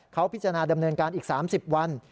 เขาพิจารณาดำเนินการอีก๓๐วัน